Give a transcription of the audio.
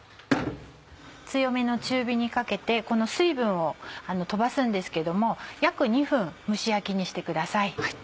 強めの中火にかけてこの水分を飛ばすんですけども約２分蒸し焼きにしてください。